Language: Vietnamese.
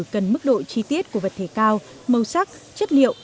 cần mức độ chi tiết của vật thể cao màu sắc chất liệu